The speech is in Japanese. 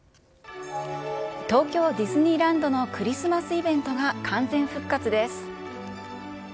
東京ディズニーランドのクリスマスイベントが完全復活です。